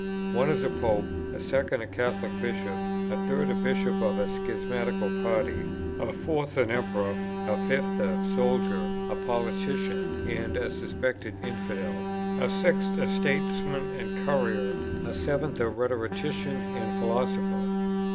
One is a Pope, a second a Catholic Bishop, a third a Bishop of a schismatical party, a fourth an emperor, a fifth a soldier, a politician, and a suspected infidel, a sixth a statesman and courtier, a seventh a rhetorician and philosopher.